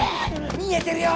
見えてるよ。